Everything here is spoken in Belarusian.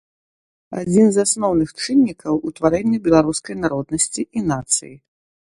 Адзін з асноўных чыннікаў утварэння беларускай народнасці і нацыі.